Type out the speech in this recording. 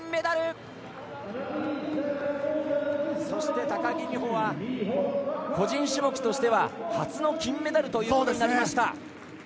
そして、高木美帆は個人種目としては初の金メダルということになりました。